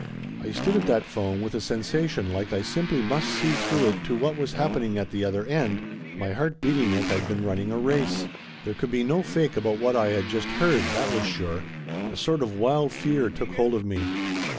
I stood at that phone with a sensation like I simply must see through it to what was happening at the other end, my heart beating like I'd been running a race. There could be no fake about what I had just heard, that was sure. A sort of wild fear took hold of me.